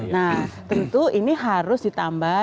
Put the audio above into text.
nah tentu ini harus ditambah